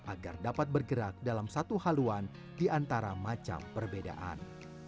agar dapat bergerak dalam satu haluan di antara macam perbedaan